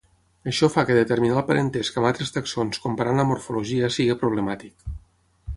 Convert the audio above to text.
Això fa que determinar el parentesc amb altres tàxons comparant la morfologia sigui problemàtic.